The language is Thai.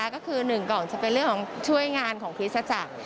ก็คือหนึ่งก่อนจะเป็นเรื่องของช่วยงานของคริสตจักร